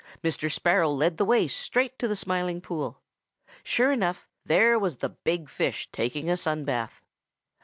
Mr. Sparrow led the way straight to the Smiling Pool. Sure enough, there was the big fish taking a sun bath.